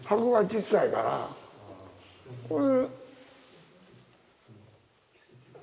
これ。